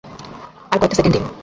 আর কয়েকটা সেকেন্ড দিন!